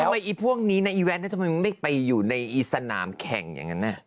ว่าอีพวกนี้นะอีแวนทำไมไม่ไปอยู่ในอีสนามแข่งอย่างนั้น